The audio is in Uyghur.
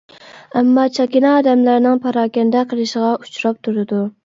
ئەمما چاكىنا ئادەملەرنىڭ پاراكەندە قىلىشىغا ئۇچراپ تۇرىدۇ.